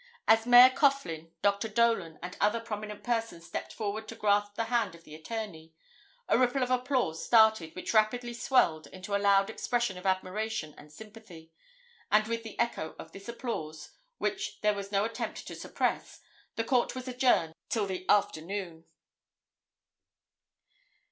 As Mayor Coughlin, Dr. Dolan and other prominent persons stepped forward to grasp the hand of the attorney, a ripple of applause started, which rapidly swelled into a loud expression of admiration and sympathy, and with the echo of this applause, which there was no attempt to suppress, the Court was adjourned till the afternoon.